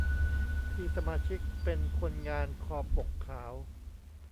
ที่สมาชิกเป็นคนงานคอปกขาว